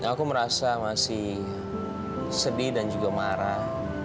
aku merasa masih sedih dan juga marah